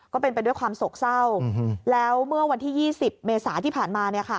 ก็เป็นไปด้วยความโศกเศร้าแล้วเมื่อวันที่๒๐เมษาที่ผ่านมา